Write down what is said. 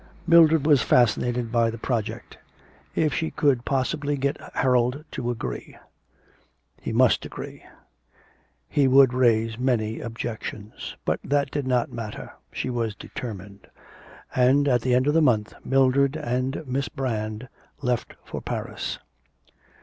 Mildred was fascinated by the project; if she could possibly get Harold to agree.... He must agree. He would raise many objections. But that did not matter; she was determined. And at the end of the month Mildred and Miss Brand left for Paris.